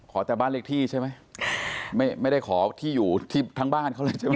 แต่บ้านเลขที่ใช่ไหมไม่ไม่ได้ขอที่อยู่ที่ทั้งบ้านเขาเลยใช่ไหม